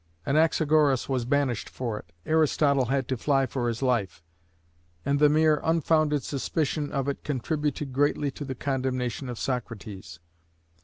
Anaxagoras was banished for it, Aristotle had to fly for his life, and the mere unfounded suspicion of it contributed greatly to the condemnation of Socrates.